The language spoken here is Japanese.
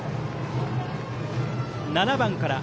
７番から。